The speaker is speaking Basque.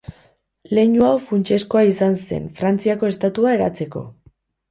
Leinu hau funtsezkoa izan zen Frantziako Estatua eratzeko.